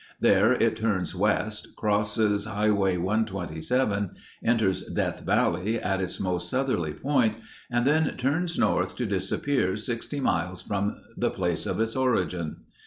There it turns west, crosses Highway 127, enters Death Valley at its most southerly point and then turns north to disappear 60 miles from the place of its origin.